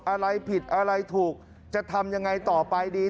อะไรผิดอะไรถูกจะทำยังไงต่อไปดี